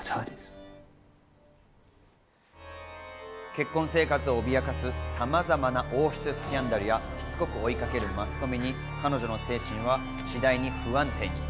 結婚生活を脅かすさまざまな王室スキャンダルや、しつこく追い掛けるマスコミに彼女の精神は次第に不安定に。